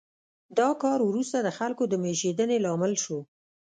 دا کار وروسته د خلکو د مېشتېدنې لامل شو